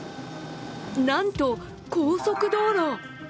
なんと高速道路。